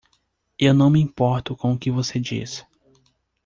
Eu não me importo com o que você diz.